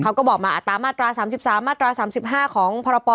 เขาก็บอกมาอัตรามาตรา๓๓มาตรา๓๕ของพรป